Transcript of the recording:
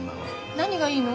何がいいの？